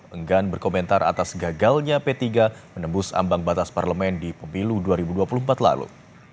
enggan berkomentar atas gagalnya p tiga menembus ambang batas parlemen di pemilu dua ribu dua puluh empat lalu